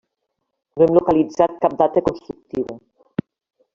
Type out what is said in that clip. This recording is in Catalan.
No hem localitzat cap data constructiva.